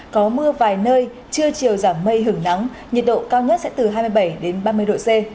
có mưa vài nơi trưa chiều giảm mây hưởng nắng nhiệt độ cao nhất sẽ từ hai mươi bảy đến ba mươi độ c